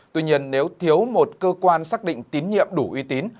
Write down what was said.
tuy nhiên nếu thiếu một cơ quan xác định tín nhiệm đủ uy tín